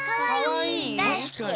たしかに。